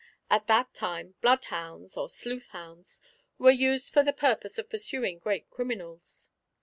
At that time bloodhounds, or sleuthhounds, were used for the purpose of pursuing great criminals.